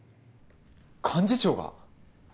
幹事長が？